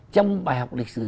trong bài học lịch sử